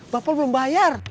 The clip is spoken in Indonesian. bapak belum bayar